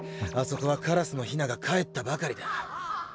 そこはカラスのヒナがかえったばかりだ。